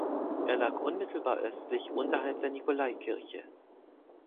Er lag unmittelbar östlich unterhalb der Nikolaikirche.